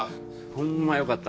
ホンマよかった。